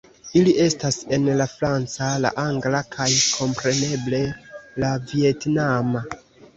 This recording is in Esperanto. Ili estas en la franca, la angla kaj kompreneble la vjetnama